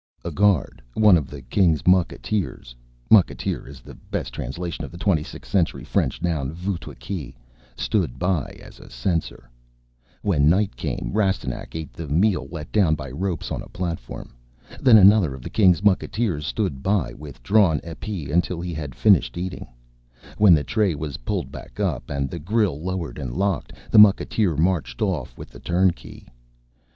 A guard, one of the King's mucketeers, stood by as a censor. [Footnote 1: Mucketeer is the best translation of the 26th century French noun foutriquet, pronounced vfeutwikey.] When night came, Rastignac ate the meal let down by ropes on a platform. Then another of the King's mucketeers stood by with drawn épée until he had finished eating. When the tray was pulled back up and the grille lowered and locked, the mucketeer marched off with the turnkey.